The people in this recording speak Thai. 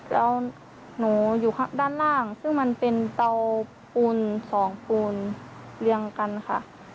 แล้วหนูอยู่ด้านล่างซึ่งมันเป็นเตาปูน๒ปูนเรียงกันค่ะ